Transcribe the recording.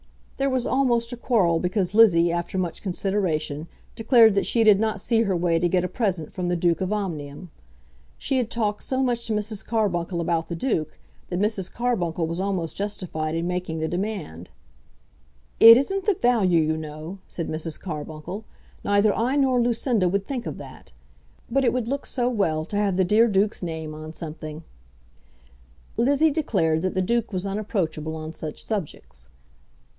There was almost a quarrel because Lizzie, after much consideration, declared that she did not see her way to get a present from the Duke of Omnium. She had talked so much to Mrs. Carbuncle about the duke, that Mrs. Carbuncle was almost justified in making the demand. "It isn't the value, you know," said Mrs. Carbuncle; "neither I nor Lucinda would think of that; but it would look so well to have the dear duke's name on something." Lizzie declared that the duke was unapproachable on such subjects.